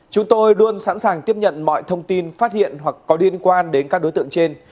chúng tôi luôn sẵn sàng tiếp nhận mọi thông tin phát hiện hoặc có liên quan đến các đối tượng trên